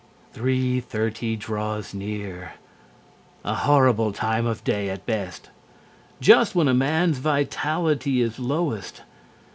Three thirty draws near. A horrible time of day at best. Just when a man's vitality is lowest.